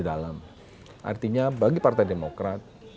dalam artinya bagi partai demokrat